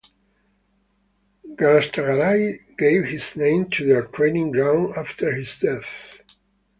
Galatasaray gave his name to their training ground after his death.